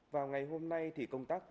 vào ngày hôm nay thì công tác